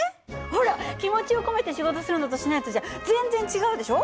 ほら気持ちを込めて仕事するのとしないのとじゃ全然違うでしょ？